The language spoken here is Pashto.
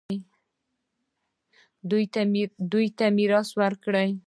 دوی ته میراث ورکړئ